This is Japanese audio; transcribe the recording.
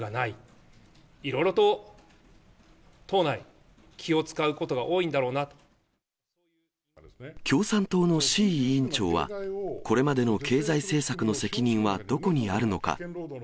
いろいろと党内、共産党の志位委員長は、これまでの経済政策の責任はどこにあるのか。